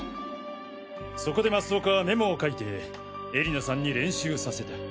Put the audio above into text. そこで増岡はメモを書いて絵里菜さんに練習させた。